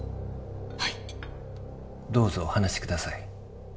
はいどうぞお話しください